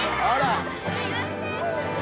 あら！